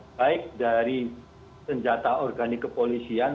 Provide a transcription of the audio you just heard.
baik dari senjata organik kepolisian